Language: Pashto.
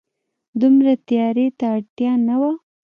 دومره تياري ته اړتيا نه وه